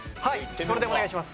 それでお願いします。